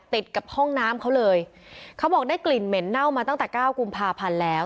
ติดกับห้องน้ำเขาเลยเขาบอกได้กลิ่นเหม็นเน่ามาตั้งแต่เก้ากุมภาพันธ์แล้ว